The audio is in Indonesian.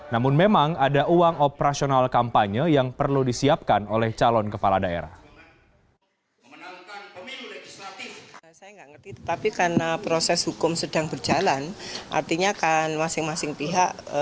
namun memang ada uang operasional kampanye yang perlu disiapkan oleh calon kepala daerah